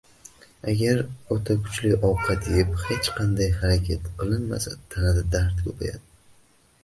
Agar o‘ta kuchli ovqat yeb, hech qanday harakat qilinmasa, tanada dard ko‘payadi.